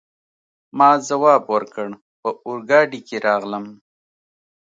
ما ځواب ورکړ: په اورګاډي کي راغلم.